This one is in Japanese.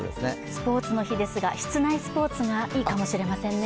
スポーツの日ですが室内スポーツがいいかもしれませんね。